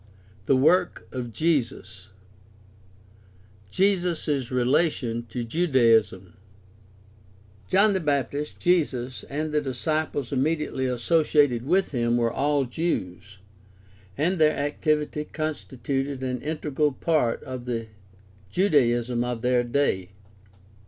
THE WORK OF JESUS Jesus' relation to Judaism. — John the Baptist, Jesus, and the disciples immediately associated with him were all Jews, 254 GUIDE TO STUDY OF CHRISTIAN RELIGION and their activity constituted an integral part of the Judaism of their day.